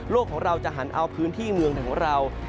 ของเราจะหันเอาพื้นที่เมืองของเรา